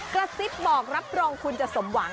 กระซิบบอกรับรองคุณจะสมหวัง